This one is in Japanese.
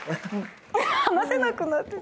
話せなくなってる。